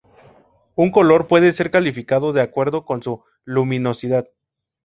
Un color puede ser calificado de acuerdo con su luminosidad.